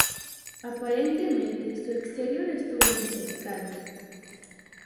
Aparentemente, su exterior estuvo enfoscado.